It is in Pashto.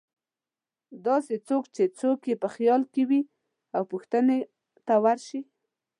داسې څوک چې څوک یې په خیال کې وې او پوښتنې ته ورشي.